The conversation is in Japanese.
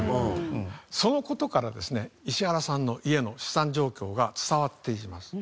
その事からですね石原さんの家の資産状況が伝わっています。